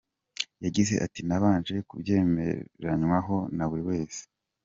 Yagize ati “Nabanje kubyemeranywaho na buri wese.